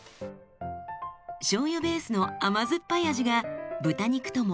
しょうゆベースの甘酸っぱい味が豚肉とも